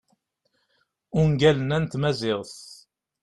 ungalen-a n tmaziɣt